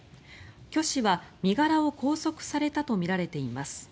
キョ氏は身柄を拘束されたとみられています。